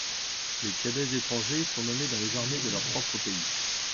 Les cadets étrangers sont nommés dans les armées de leur propre pays.